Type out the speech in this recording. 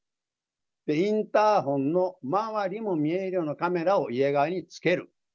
インターフォンの周りも見えるようなカメラを家側につける。